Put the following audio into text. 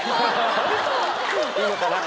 いいのかな？